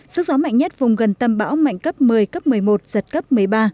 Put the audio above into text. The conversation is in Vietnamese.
sức gió mạnh nhất vùng gần tâm bão mạnh cấp một mươi cấp một mươi một giật cấp một mươi ba